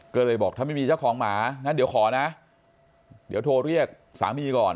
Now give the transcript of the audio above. ก็เลยบอกถ้าไม่มีเจ้าของหมางั้นเดี๋ยวขอนะเดี๋ยวโทรเรียกสามีก่อน